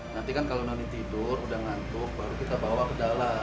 nanti kan kalau noni tidur udah ngantuk baru kita bawa ke dalam